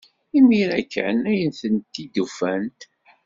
Imir-a kan ay tent-id-tufam.